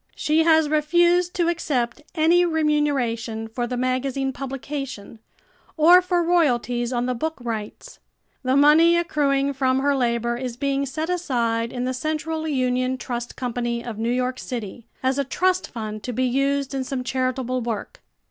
She has refused to accept any remuneration for the magazine publication or for royalties on the book rights. The money accruing from her labor is being set aside in The Central Union Trust Company of New York City as a trust fund to be used in some charitable work.